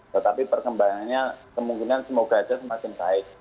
tetapi perkembangannya kemungkinan semoga aja semakin baik